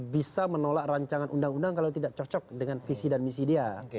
bisa menolak rancangan undang undang kalau tidak cocok dengan visi dan misi dia